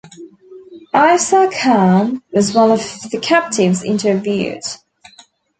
Issa Khan was one of the captives interviewed.